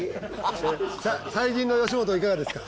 最近の吉本いかがですか？